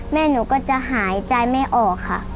แม่หนูก็จะหายใจไม่ออกค่ะ